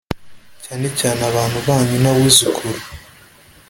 cyane cyane abana banyu nabuzukuru